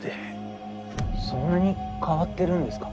そんなに変わってるんですか？